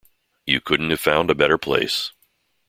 You couldn't have found a better place.